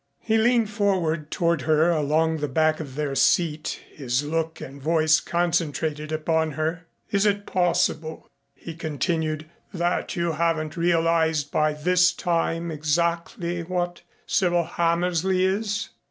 He leaned forward toward her along the back of their seat, his look and voice concentrated upon her. "Is it possible," he continued, "that you haven't realized by this time exactly what Cyril Hammersley is?"